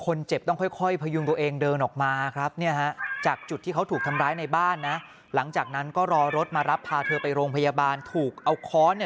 คนเจ็บต้องค่อยพยุงตัวเองเดินออกมาครับเนี่ยฮะจากจุดที่เขาถูกทำร้ายในบ้านนะหลังจากนั้นก็รอรถมารับพาเธอไปโรงพยาบาลถูกเอาค้อนเนี่ย